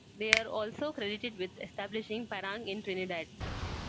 They are also credited with establishing parang in Trinidad.